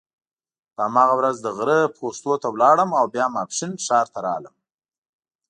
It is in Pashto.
په هماغه ورځ د غره پوستو ته ولاړم او بیا ماپښین ښار ته راغلم.